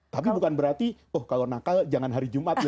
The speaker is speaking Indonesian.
tapi bukan berarti oh kalau nakal jangan hari jumat